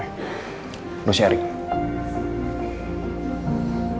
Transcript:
yang menganjal hati dan pikiran lu cerita sama gue